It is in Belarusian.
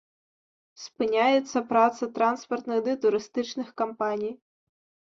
Спыняецца праца транспартных ды турыстычных кампаній.